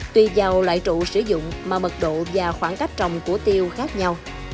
tùy vào loại trụ sử dụng mà mật độ và khoảng cách trồng của tiêu khác nhau